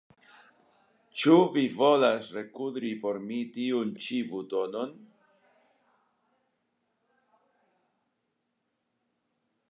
Ĉu vi volas rekudri por mi tiun ĉi butonon?